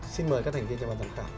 xin mời các thành viên cho ban giám khảo